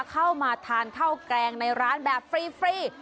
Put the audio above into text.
เข้ามาทานข้าวแกงในร้านแบบฟรี